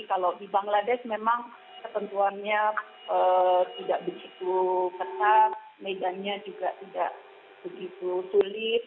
kalau di bangladesh memang ketentuannya tidak begitu ketat medannya juga tidak begitu sulit